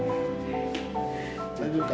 大丈夫か？